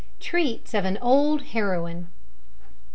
TREATS OF AN OLD HEROINE.